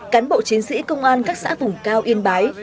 cán bộ chiến sĩ công an các xã vùng cao yên bái